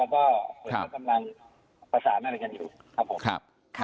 แล้วก็คนเขากำลังประสานอะไรกันอยู่ครับ